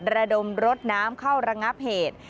ระดมรถน้ำเข้าระงับเหตุ